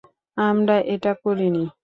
আমরা এটা করিনি।